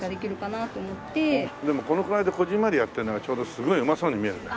でもこのくらいでこぢんまりやってるのがちょうどすごいうまそうに見えるね。